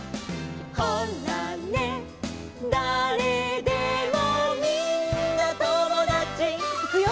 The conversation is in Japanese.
「ほらね誰でもみんなともだち」いくよ！